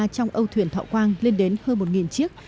trong âu thuyền thọ quang lên đến hơn một chiếc